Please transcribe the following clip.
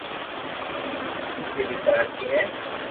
تلسي بي ڪراچي ھي